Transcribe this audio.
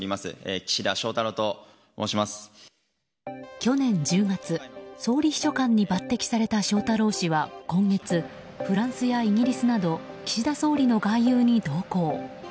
去年１０月、総理秘書官に抜擢された翔太郎氏は今月、フランスやイギリスなど岸田総理の外遊に同行。